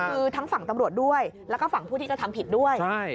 คือทั้งฝั่งตำรวจด้วยแล้วก็ฝั่งผู้ที่กระทำผิดด้วย